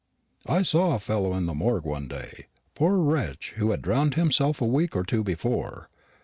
"I saw a fellow in the Morgue one day, a poor wretch who had drowned himself a week or two before.